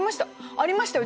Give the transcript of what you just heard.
ありましたよ